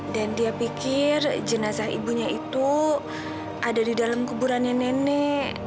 dan dia pikir jenazah ibunya itu ada di dalam kuburan nenek